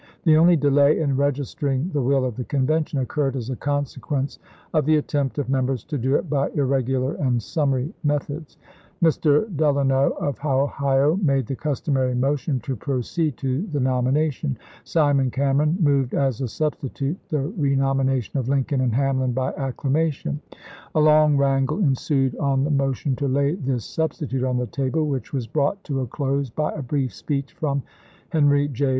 The only delay in registering the will of the Convention occurred as a consequence of the attempt of members to do it by irregular and summary methods. Mr. Delano of Ohio made the customary motion to proceed to the nomination ; Simon Cameron moved as a substitute the renomi nation of Lincoln and Hamlin by acclamation. A long wrangle ensued on the motion to lay this sub stitute on the table, which was brought to a close by a brief speech from Henry J.